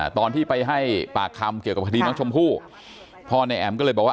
ตอนที่ไปให้ปากคำเกี่ยวกับคดีน้องชมพู่พ่อในแอ๋มก็เลยบอกว่า